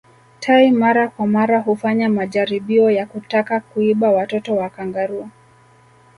Tai mara kwa mara hufanya majaribio ya kutaka kuiba watoto wa kangaroo